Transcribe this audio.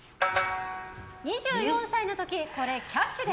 ２４歳の時、これキャッシュで。